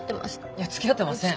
いやつきあってません。